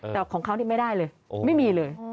แต่ของเขานี่ไม่ได้เลยไม่มีเลย